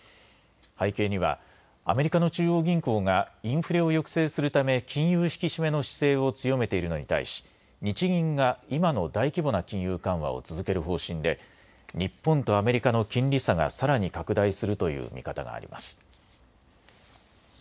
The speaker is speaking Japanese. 背景にはアメリカの中央銀行がインフレを抑制するため金融引き締めの姿勢を強めているのに対し日銀が今の大規模な金融緩和を続ける方針で日本とアメリカの金利差がさらに拡大するという見方があります。